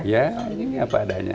iya ini apa adanya